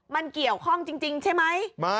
มันเกี่ยวข้องจริงใช่ไหม